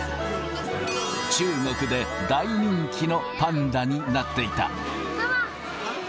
中国で大人気のパンダになっていた。